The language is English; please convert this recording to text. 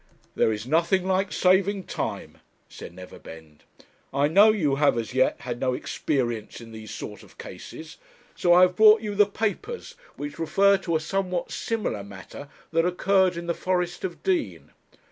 'There is nothing like saving time,' said Neverbend. 'I know you have, as yet, had no experience in these sort of cases, so I have brought you the papers which refer to a somewhat similar matter that occurred in the Forest of Dean.